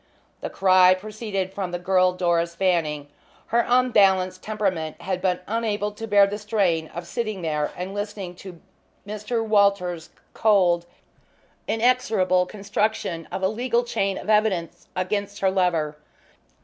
The cry proceeded from the girl Doris Fanning. Her unbalanced temperament had been unable to bear the strain of sitting there and listening to Mr. Walters' cold inexorable construction of a legal chain of evidence against her lover.